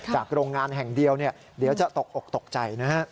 โรงงานแห่งเดียวเดี๋ยวจะตกอกตกใจนะฮะ